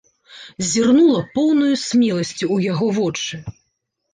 Зірнула поўнаю смеласцю ў яго вочы.